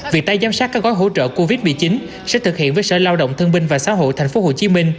việc tay giám sát các gói hỗ trợ covid một mươi chín sẽ thực hiện với sở lao động thương binh và xã hội tp hcm